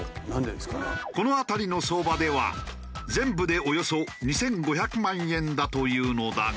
この辺りの相場では全部でおよそ２５００万円だというのだが。